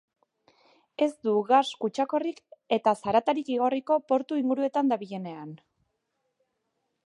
Ez du gas kutsakorrik eta zaratarik igorriko portu inguruetan dabilenean.